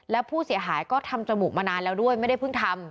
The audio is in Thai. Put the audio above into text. แล้วผู้เสียหายก็ทำจมูกมานานแล้วด้วยไม่ได้เพิ่งทำ